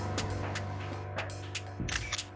mereka pasti akan terpisah